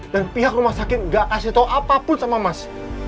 pihak rumah sakit gak kasih tau apapun sama mas